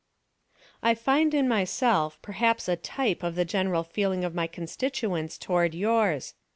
"I find in myself perhaps a type of the general feeling of my constituents toward yours.